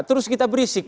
terus kita berisik